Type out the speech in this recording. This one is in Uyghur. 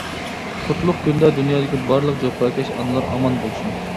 قۇتلۇق كۈندە دۇنيادىكى بارلىق جاپاكەش ئانىلار ئامان بولسۇن.